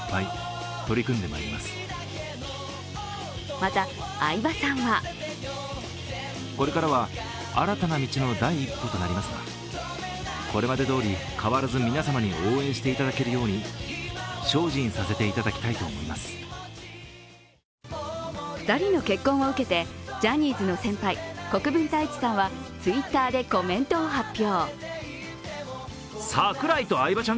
また、相葉さんは２人の結婚を受けて、ジャニーズの先輩・国分太一さんはＴｗｉｔｔｅｒでコメントを発表。